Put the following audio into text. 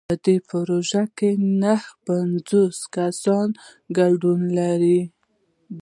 په دې پروژه کې نهه پنځوس کسان ګډون لري.